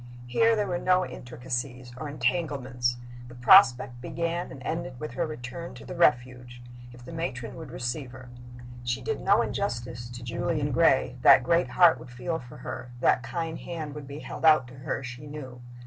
Here there were no intricacies or entanglements. The prospect began and ended with her return to the Refuge, if the matron would receive her. She did no injustice to Julian Gray; that great heart would feel for her, that kind hand would be held out to her, she knew.